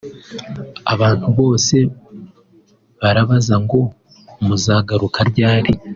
Abantu bose barabaza ngo muzagaruka ryari